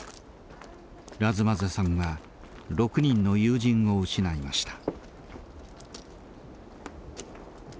ラズマゼさんは６人の友人を失いました。